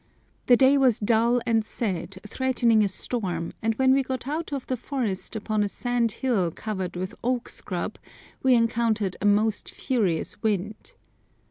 The day was dull and sad, threatening a storm, and when we got out of the forest, upon a sand hill covered with oak scrub, we encountered a most furious wind.